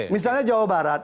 misalnya jawa barat